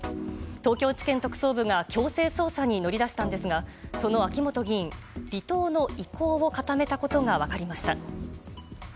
東京地検特捜部が強制捜査に乗り出したんですがその秋本議員、離党の意向を固めたことが分かりました。